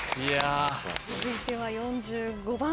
続いては４５番。